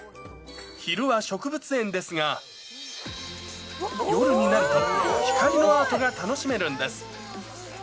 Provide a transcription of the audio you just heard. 昼は植物園ですが、夜になると、光のアートが楽しめるんです。